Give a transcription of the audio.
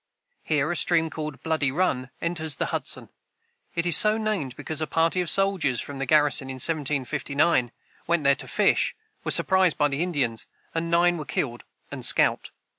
Here a stream called Bloody Run enters the Hudson. It is so named because a party of soldiers from the garrison, in 1759, went there to fish, were surprised by the Indians, and nine were killed and scalped.